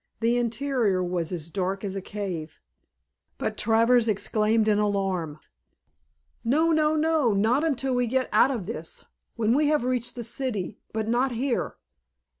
The interior was as dark as a cave. But Travers exclaimed in alarm. "No! No! Not until we get out of this. When we have reached the city, but not here.